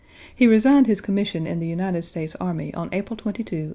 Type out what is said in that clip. He resigned his commission in the United States Army on April 22, 1861.